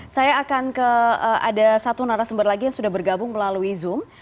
saya akan ke ada satu narasumber lagi yang sudah bergabung melalui zoom